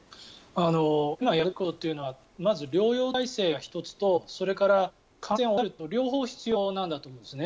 今やるべきことというのはまず療養体制が１つとそれから感染を抑えるということ両方必要なんだと思うんですね。